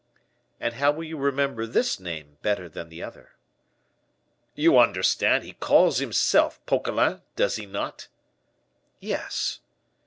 "And how will you remember this name better than the other?" "You understand, he calls himself Poquelin, does he not?" "Yes."